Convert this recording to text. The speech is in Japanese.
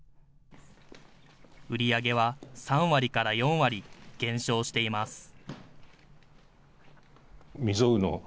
売り上げは３割から４割減少しています。